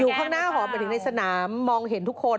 อยู่ข้างหน้าหอแบบในสนามมองเห็นทุกคน